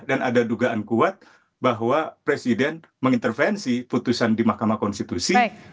dan ada dugaan kuat bahwa presiden mengintervensi putusan di mahkamah konstitusi